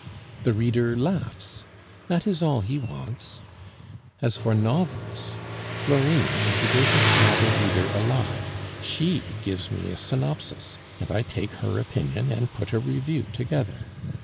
The reader laughs, that is all that he wants. As for novels, Florine is the greatest novel reader alive; she gives me a synopsis, and I take her opinion and put a review together.